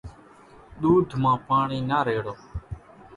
ۮوڌ مان پاڻِي نا ريڙو۔